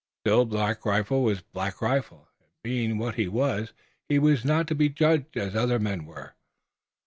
Still Black Rifle was Black Rifle, and being what he was he was not to be judged as other men were.